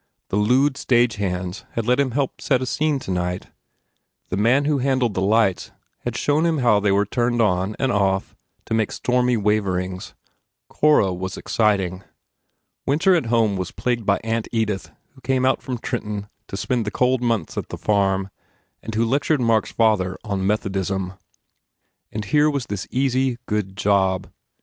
The lewd stagehands had let him help set a scene tonight. The man who handled the lights had shown him how they were turned on and off to make stormy waverings. Cora was exciting. Winter at home was plagued by Aunt Edith who came out from Trenton to spend the cold months at the farm and who lectured Mark s father on Methodism. And here was this easy, good job.